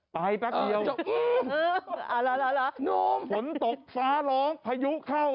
ไปแป๊กเดียวเอ้อเอออัลล่ะหนุ่มฝนตกฟ้าร้องพายุเข้า